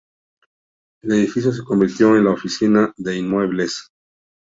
El edificio se convirtió en la oficina de inmuebles.